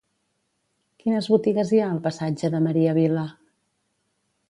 Quines botigues hi ha al passatge de Maria Vila?